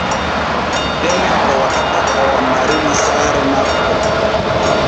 Deme o waɗata oo mariri saare makko.